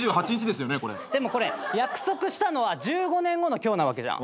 でもこれ約束したのは１５年後の今日なわけじゃん。